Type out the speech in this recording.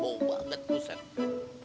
bau banget gustaf